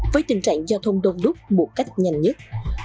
với tình trạng giao thông đông đúc một cách nhanh nhất